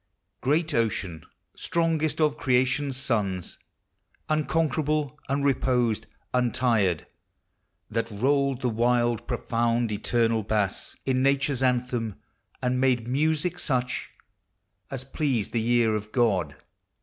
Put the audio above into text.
Great Ocean ! strongest of creation's sons, Unconquerable, unreposed, untired, That rolled the wild, profound, eternal bass In nature's anthem, and made music such 380 POEMS OF NATURE. As pleased the ear of God